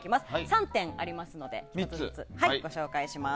３点ありますのでご紹介します。